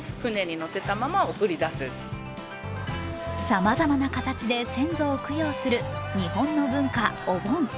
さまざまな形で先祖を供養する日本の文化、お盆。